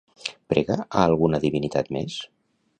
Prega a alguna divinitat més?